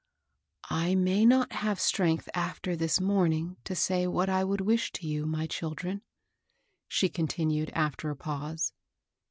" I may not have strength after this morning to say what I would wish to you, my children," she continued, after a pause.